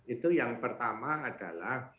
itu yang pertama adalah